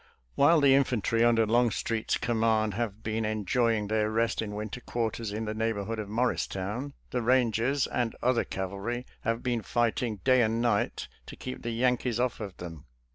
While the infantry under Longstreet's command have been enjoying their rest in winter .quarters in the neighborhood of Morristown, the Rangers and other cavalry have been fighting day and night to keep the Yankees off of them.